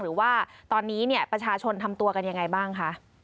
หรือว่าตอนนี้ประชาชนทำตัวกันอย่างไรบ้างคะ